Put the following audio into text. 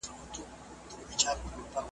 که څــــــه هـــم چيري له قهره چـــــاره نسته